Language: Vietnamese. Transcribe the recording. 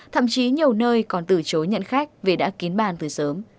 thậm chí nhiều nơi còn từ chối nhận khách vì đã kín bàn từ sớm